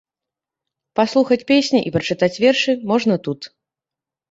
Паслухаць песні і прачытаць вершы можна тут.